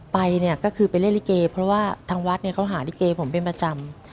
ไปเนี่ยก็คือไปเล่นลิเกเพราะว่าทางวัดเนี่ยเขาหาลิเกผมเป็นประจำ